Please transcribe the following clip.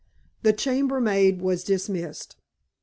The chambermaid was dismissed.